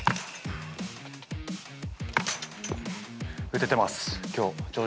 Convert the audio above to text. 打ててます。